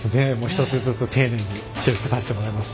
一つずつ丁寧に修復させてもらいます。